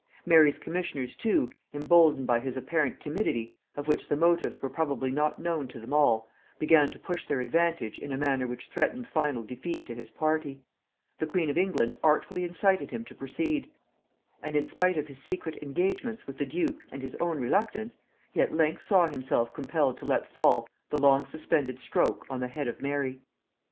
Mary's commissioners too, emboldened by his apparent timidity, of which the motives were probably not known to them all, began to push their advantage in a manner which threatened final defeat to his party: the queen of England artfuly incited him to proceed; and in spite of his secret engagements with the duke and his own reluctance, he at length saw himself compelled to let fall the long suspended stroke on the head of Mary.